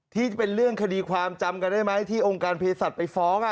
ที่จะเป็นเรื่องคดีความจำกันได้ไหมที่องค์การเพศสัตว์ไปฟ้อง